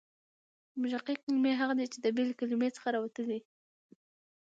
مشقي کلیمې هغه دي، چي د بلي کلیمې څخه راوتلي يي.